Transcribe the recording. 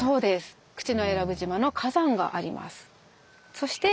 そして。